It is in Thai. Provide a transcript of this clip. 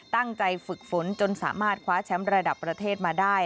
ตั้งใจฝึกฝนจนสามารถคว้าแชมป์ระดับประเทศมาได้